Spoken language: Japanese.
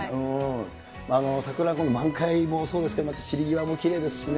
桜、満開もそうですけど、また散り際もきれいですしね。